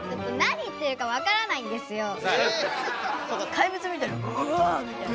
怪物みたいに「ウォ！」みたいな。